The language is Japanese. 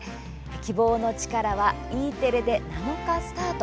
「キボウノチカラ」はＥテレで７日スタート。